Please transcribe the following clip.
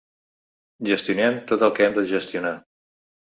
Gestionem tot el que hem de gestionar.